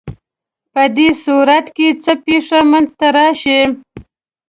په دې صورت کې څه پېښه منځ ته راشي؟